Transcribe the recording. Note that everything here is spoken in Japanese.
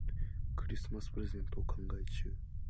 クリスマスプレゼントを考え中。